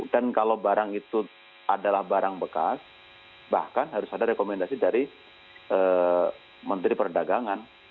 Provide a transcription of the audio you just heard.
dan kalau barang itu adalah barang bekas bahkan harus ada rekomendasi dari menteri perdagangan